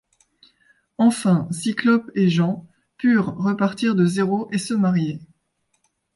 Enfin, Cyclope et Jean purent repartir de zéro et se marier.